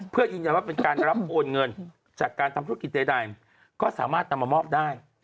เพื่อยืนยันว่าเป็นการรับโอนเงินจากการทำธุรกิจใดก็สามารถนำมามอบได้